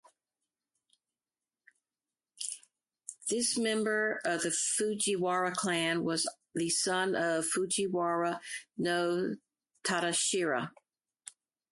This member of the Fujiwara clan was the son of Fujiwara no Tadahira.